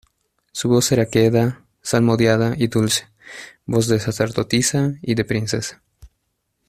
su voz era queda, salmodiada y dulce , voz de sacerdotisa y de princesa.